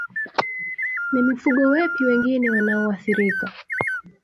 Ni mifugo wepi wengine wanaothirika